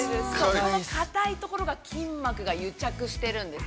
◆このかたいところが筋膜側、癒着してるんです。